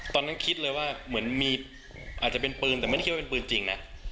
ตอนนั้นคิดเลยว่าเหมือนมีอาจจะเป็นปืนแต่ไม่ได้คิดว่าเป็นปืนจริงนะ